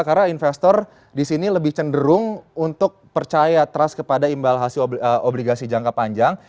karena investor di sini lebih cenderung untuk percaya trust kepada imbal hasil obligasi jangka panjang